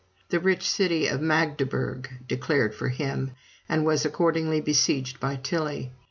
The rich city of Magdeburg declared for him, and was accordingly besieged by Tilly.